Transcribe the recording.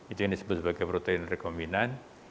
itu yang disebut sebagai protein rekombinan